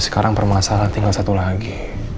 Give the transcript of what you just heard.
sekarang permasalahan tinggal satu lagi